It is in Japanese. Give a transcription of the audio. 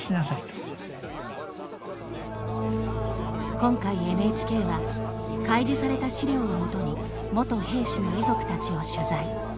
今回ＮＨＫは開示された資料をもとに元兵士の遺族たちを取材。